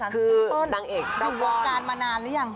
คือนางเอกเจ้าก้อนเจ้าก้อนคนนี้อยู่วงการมานานหรือยัง